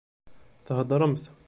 Theddṛemt.